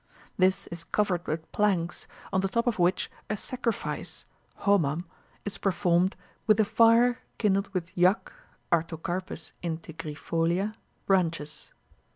This is covered with planks, on the top of which a sacrifice (homam) is performed with a fire kindled with jak (Artocarpus integrifolia) branches.